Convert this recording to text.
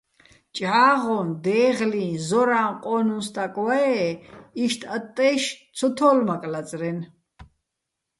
ჭჺა́ღოჼ, დე́ღლიჼ, ზორაჼ ყო́ნუჼ სტაკ ვაე́ იშტ ატტაჲში̆ ცო თო́ლმაკე̆ ლაწრენ.